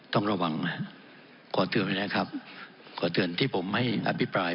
ต้องระวังนะขอเตือนไว้นะครับขอเตือนที่ผมให้อภิปราย